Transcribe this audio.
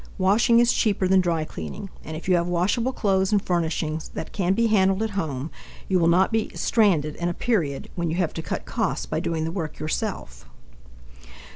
Washing is cheaper than dry cleaning, and if you have washable clothes and furnishings that can be handled at home, you will not be stranded in a period when you have to cut costs by doing the work yourself.